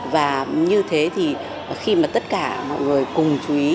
và như thế thì khi mà tất cả mọi người cùng chú ý